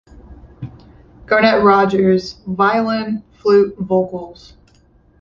Garnet Rogers: violin, flute, vocals.